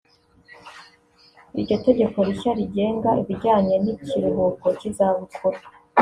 Iryo tegeko rishya rigenga ibijyanye n’ikiruhuko cy’izabukuru